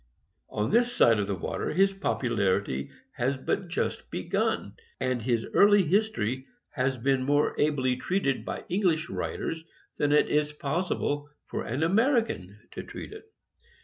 On this side the water his popularity has but just begun, and his early his tory has been more ably treated by English writers than it is possible for an American to treat it.